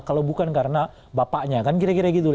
kalau bukan karena bapaknya kan kira kira gitu